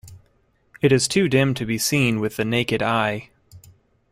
It is too dim to be seen with the naked eye.